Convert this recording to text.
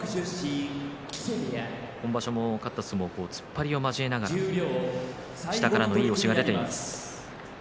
今場所も勝った相撲は突っ張りを交えながら下からの力が出ています。